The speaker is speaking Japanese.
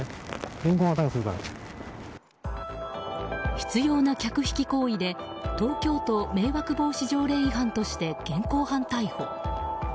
執拗な客引き行為で東京都迷惑防止条例違反として現行犯逮捕。